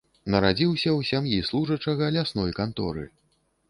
Нарадзіўся ў сям'і служачага лясной канторы.